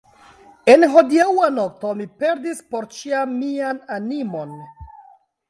En hodiaŭa nokto mi perdis por ĉiam mian animon!